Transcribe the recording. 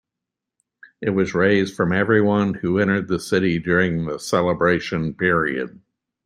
It was raised from everyone who entered the city during the celebration period.